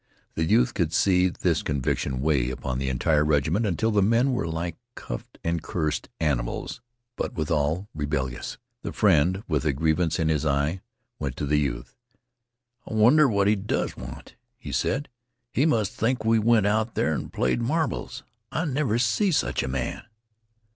The youth could see this conviction weigh upon the entire regiment until the men were like cuffed and cursed animals, but withal rebellious. The friend, with a grievance in his eye, went to the youth. "I wonder what he does want," he said. "He must think we went out there an' played marbles! I never see sech a man!"